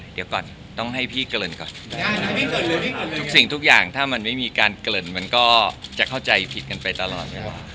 เดี๋ยวก่อนต้องให้พี่เกริ่นก่อนทุกสิ่งทุกอย่างถ้ามันไม่มีการเกริ่นมันก็จะเข้าใจผิดกันไปตลอดเวลา